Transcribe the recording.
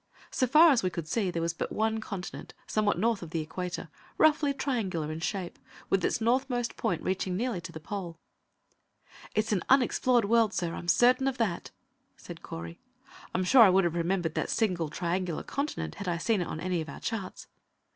So far as we could see, there was but one continent, somewhat north of the equator, roughly triangular in shape, with its northernmost point reaching nearly to the Pole. "It's an unexplored world, sir. I'm certain of that," said Correy. "I am sure I would have remembered that single, triangular continent had I seen it on any of our charts."